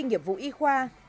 nhiệm vụ y khoa